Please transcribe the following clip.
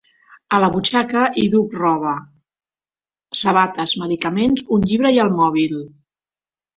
A la butxaca hi duc roba, sabates, medicaments, un llibre i el mòbil!